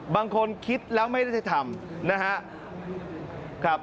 บางคนคิดแล้วไม่ได้ที่จะทำนะฮะ